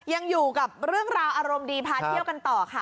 ยังอยู่กับเรื่องราวอารมณ์ดีพาเที่ยวกันต่อค่ะ